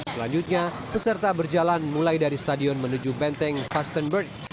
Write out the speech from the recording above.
selanjutnya peserta berjalan mulai dari stadion menuju benteng fastenberg